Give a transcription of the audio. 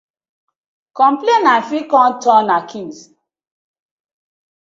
Complainant fit com turn accused.